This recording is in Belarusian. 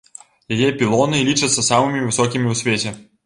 Яе пілоны лічацца самымі высокімі ў свеце.